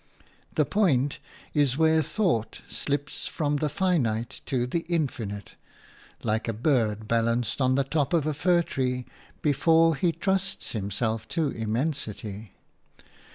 The point is where thought slips from the finite to the infinite, like a bird balanced on the top of a fir tree before he trusts himself to immensity.